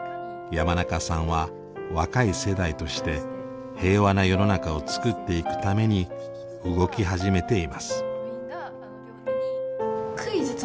山中さんは若い世代として平和な世の中をつくっていくために動き始めています。